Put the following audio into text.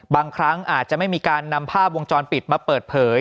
บางครั้งอาจจะไม่มีการนำภาพวงจรปิดมาเปิดเผย